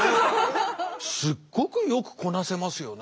すっごくよくこなせますよね。